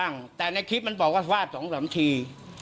ในคลิปมันบอกว่าฟาด๒๓ที